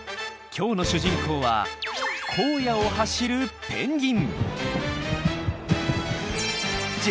今日の主人公は荒野を走るペンギン！